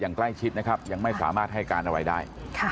ใกล้ชิดนะครับยังไม่สามารถให้การอะไรได้